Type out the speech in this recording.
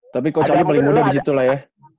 tapi coach ali paling muda di situ lah ya